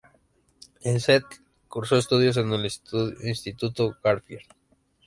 En Seattle cursó estudios en el Instituto Garfield.